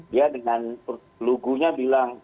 dia dengan lugunya bilang